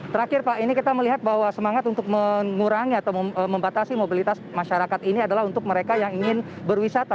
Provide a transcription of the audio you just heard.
terakhir pak ini kita melihat bahwa semangat untuk mengurangi atau membatasi mobilitas masyarakat ini adalah untuk mereka yang ingin berwisata